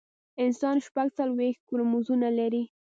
انسان شپږ څلوېښت کروموزومونه لري